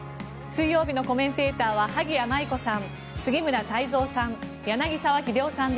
水曜日のコメンテーターは萩谷麻衣子さん、杉村太蔵さん